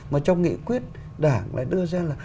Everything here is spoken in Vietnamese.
mà trong nghị quyết đảng lại đưa ra là